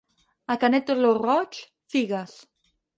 A Canet lo Roig, figues.